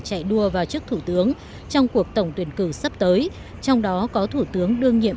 chạy đua vào chức thủ tướng trong cuộc tổng tuyển cử sắp tới trong đó có thủ tướng đương nhiệm